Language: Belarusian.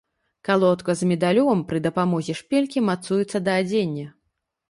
Калодка з медалём пры дапамозе шпількі мацуецца да адзення.